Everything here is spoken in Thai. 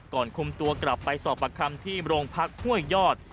ก่อนคุมตัวกลับไปสอบประคำที่โรงพักห้วยยอด